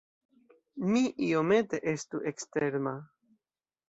Mi iomete estu eksterma.